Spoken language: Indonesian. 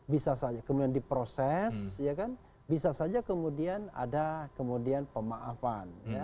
bisa saja kemudian diproses bisa saja kemudian ada kemudian pemaafan